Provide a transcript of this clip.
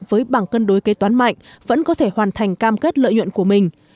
với bảng cân đối kế toán mạnh vẫn có thể hoàn thành cam kết lợi nhuận của mình